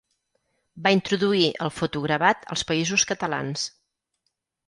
Va introduir el fotogravat als Països Catalans.